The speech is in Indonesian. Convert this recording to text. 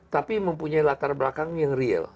tapi mempunyai latar belakang yang real